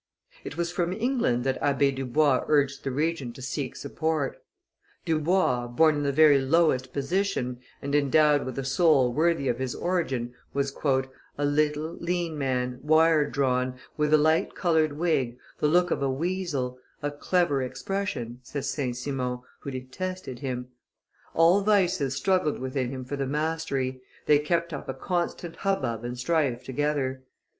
It was from England that Abbe Dubois urged the Regent to seek support. Dubois, born in the very lowest position, and endowed with a soul worthy of his origin, was "a little, lean man, wire drawn, with a light colored wig, the look of a weasel, a clever expression," says St. Simon, who detested him; "all vices struggled within him for the mastery; they kept up a constant hubbub and strife together.